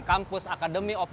kampes pendek begitunya